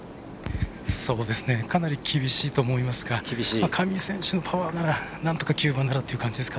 かなり厳しいと思いますが上井選手のパワーならなんとか９番ならという感じです。